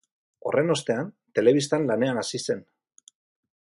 Horren ostean, telebistan lanean hasi zen.